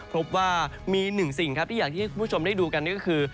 พบว่ามีหนึ่งสิ่งที่อยากให้คุณผู้ชมได้ดูกันก็คือ